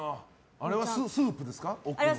あれはスープです。